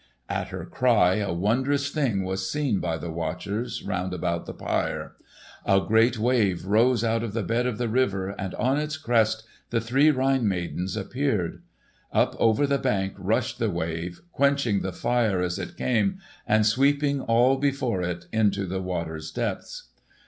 At her cry a wondrous thing was seen by the watchers round about the pyre. A great wave rose out of the bed of the river, and on its crest the three Rhine maidens appeared. Up over the bank rushed the wave, quenching the fire as it came and sweeping all before it into the water's depths.